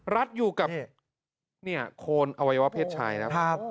รัดอยู่กับโคนอวัยวะเพศชายครับ